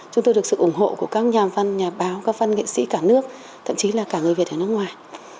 chúng tôi được sự ủng hộ của các nhà văn nhà báo các văn nghệ sĩ cả nước thậm chí là cả người việt ở nước ngoài